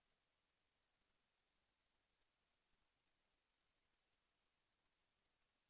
แสวได้ไงของเราก็เชียนนักอยู่ค่ะเป็นผู้ร่วมงานที่ดีมาก